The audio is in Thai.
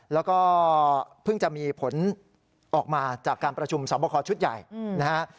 แล้วก็เพิ่งจะมีผลออกมาจากการประชุมสอบคอชุดใหญ่นะฮะ